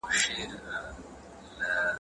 د چا د عشق له شوره نهشو وتی